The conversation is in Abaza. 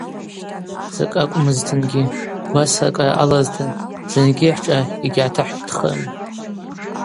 Закӏ акӏвмызтынгьи, гвасра кӏара алазтын, зынгьи хӏшӏа йыгьгӏатыхӏщтхрым.